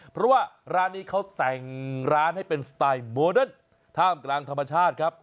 เพราะว่าร้านนี้เขาแต่งร้านให้เป็นสไตล์โมเดิร์นท่ามกลางธรรมชาติครับ